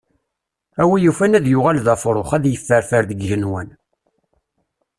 A wi yufan ad yuɣal d afrux, ad yefferfer deg yigenwan.